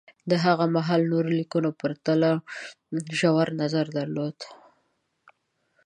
د هغه مهال نورو لیکنو پرتله ژور نظر درلود